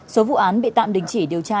số vụ án bị tạm đình chỉ điều tra